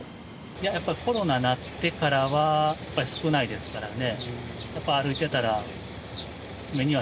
やっぱりコロナになってからは、やっぱり少ないですからね。